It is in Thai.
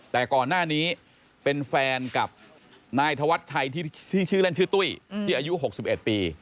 แต่ก่อนหน้านี้เป็นแฟนกับนายธวัชชัยที่ชื่อเล่นชื่อตุ้ยที่อายุ๖๑ปี